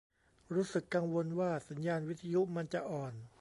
รู้สึกกังวลว่า สัญญาณวิทยุมันจะอ่อน